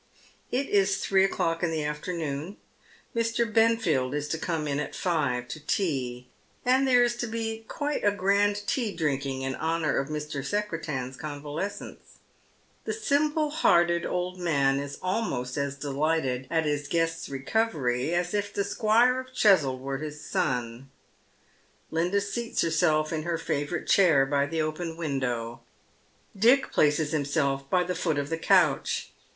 It is three o'clock in the afternoon. Mr. Benfield is to come in at five to tea, and there is to be quite a grand tea drinking in honour of Mr. Secretan's convalescence. The simple hearted old man is almost as delighted at liis guest's recovery as if the Squiro of Cheswold were his son. Linda seats herself in her favourite chair by the open window. Dick places himself by the foot of the couch.